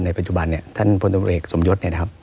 ปัจจุบันเนี่ยท่านพลตำรวจเอกสมยศเนี่ยนะครับ